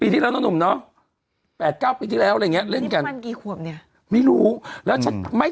ทาวไทยไทย